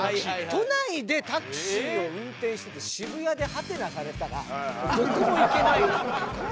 都内でタクシーを運転してて渋谷で「？」されたらどこも行けないよ。